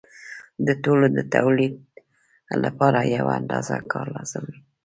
د ټولو د تولید لپاره یوه اندازه کار لازم وي